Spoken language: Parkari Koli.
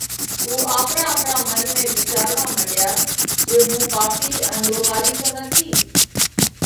اُو آپرا آپرا منَ ۾ وِيچاروا مڏيا جي هُون پاپِي ان ۮوهارِي تو نٿِي؟